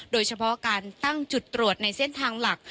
โดยเฉพาะการตั้งจุดตรวจในเส้นทางหลัก